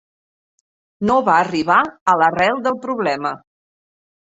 No va arribar a l'arrel del problema.